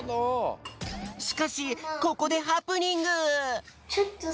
しかしここでハプニング！